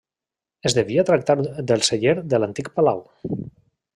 Es devia tractar del celler de l'antic palau.